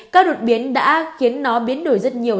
các đột biến đã khiến nó biến đổi rất nhiều